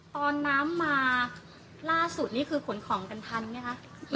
ตอนน้ำมาล่าสุดนี่คือขนของกันทันไหมคะ